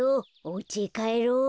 おうちへかえろう。